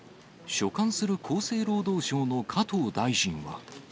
所管する厚生労働省の加藤大臣は。